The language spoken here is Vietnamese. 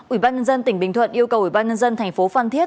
ủy ban nhân dân tỉnh bình thuận yêu cầu ủy ban nhân dân thành phố phan thiết